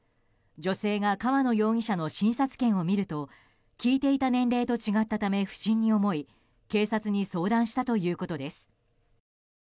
女性が河野容疑者の診察券を見ると聞いていた年齢と違っていたため不審に思い警察に相談したということです。